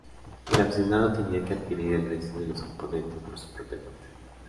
El aficionado tenía que adquirir el resto de los componentes por su propia cuenta.